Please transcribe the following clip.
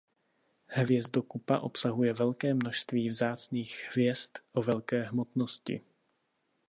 Hvězdokupa obsahuje velké množství vzácných hvězd o velké hmotnosti.